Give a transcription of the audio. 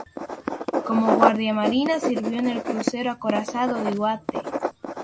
Como guardiamarina sirvió en el crucero acorazado "Iwate".